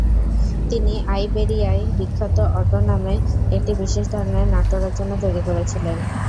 তিনি আইবেরিয়ায় বিখ্যাত অটো নামে একটি বিশেষ ধরনের নাট্য রচনা তৈরি করেছিলেন।